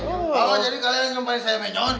apa jadi kalian yang ngemparin saya menyon